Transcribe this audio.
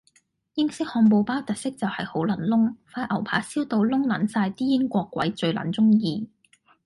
英式漢堡包特色就係好撚燶，塊牛扒燒到燶撚晒啲英國鬼最撚鍾意